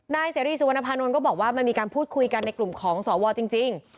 นายเสรีสุวรรณภานนท์ก็บอกว่ามันมีการพูดคุยกันในกลุ่มของสวจริง